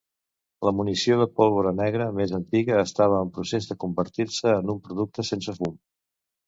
La munició de pólvora negra més antiga estava en procés de convertir-se en un producte sense fum.